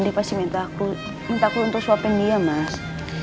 dia pasti minta aku untuk suapin dia mas